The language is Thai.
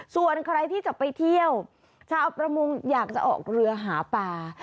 ส่วนใครที่จะไปเที่ยวชาวประมงอยากจะออกเรือหาปลา